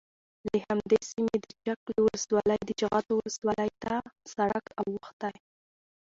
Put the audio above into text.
له همدې سیمې د چک له ولسوالۍ د جغتو ولسوالۍ ته سرک اوښتی،